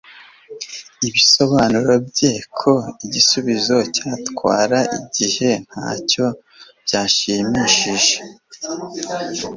Ibisobanuro bye ko igisubizo cyatwara igihe ntacyo byashimishije